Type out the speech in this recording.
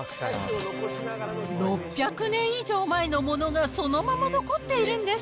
６００年以上前のものがそのまま残っているんです。